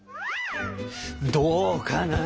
どうかな。